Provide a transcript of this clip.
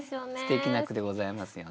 すてきな句でございますよね。